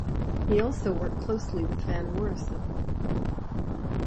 He also worked closely with Van Morrison.